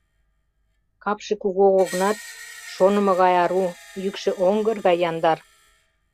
Капше кугу огыл гынат, шонымо гай ару, йӱкшӧ оҥгыр гай яндар...